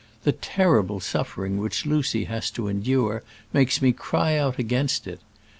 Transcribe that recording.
The terrible suffering which Lucy has to endure makes me cry out against it.